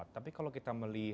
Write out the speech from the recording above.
tapi kalau kita melihat